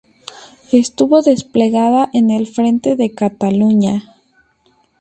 Estuvo desplegada en el frente de Cataluña.